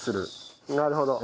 なるほど。